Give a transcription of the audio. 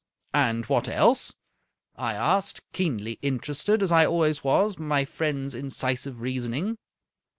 " And what else ?" I asked, keenly interested, as I al ways was, by my friend's incisive reasoning.